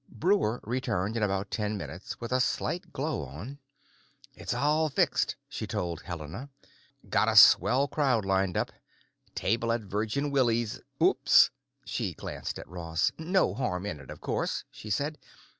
Breuer returned in about ten minutes with a slight glow on. "It's all fixed," she told Helena. "Got a swell crowd lined up. Table at Virgin Willie's—oops!" She glanced at Ross. "No harm in it, of course," she said.